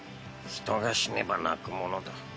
人が死ねば泣くものだ。